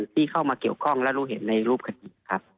ที่เข้ามาเกี่ยวข้องและรู้เห็นในรูปคดีครับ